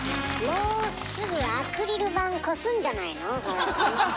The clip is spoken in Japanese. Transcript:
もうすぐアクリル板越すんじゃないの？